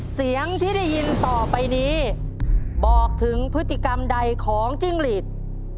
เสียงที่ได้ยินต่อไปนี้บอกถึงพฤติกรรมใดของจิ้งหลีด